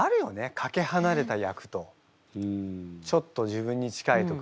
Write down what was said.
かけはなれた役とちょっと自分に近いとか。